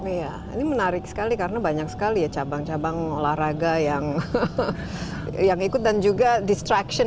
iya ini menarik sekali karena banyak sekali ya cabang cabang olahraga yang ikut dan juga distraction